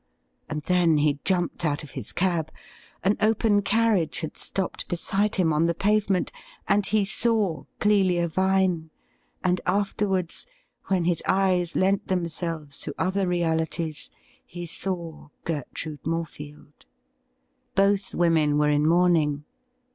And then he jumped out of his cab. An open carriage had stopped beside him on the pavement, and he saw Clelia Vine, and afterwards — when his eyes lent themselves to other realities — he saw Gertrude Morefield. Both women were in mourning.